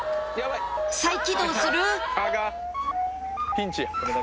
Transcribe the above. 再起動する？